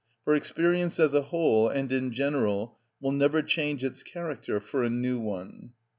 For experience as a whole and in general will never change its character for a new one.